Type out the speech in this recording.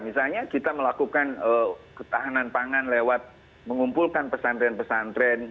misalnya kita melakukan ketahanan pangan lewat mengumpulkan pesantren pesantren